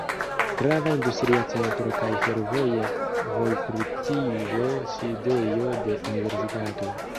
Grava industria centro kaj fervoja vojkruciĝo, sidejo de universitato.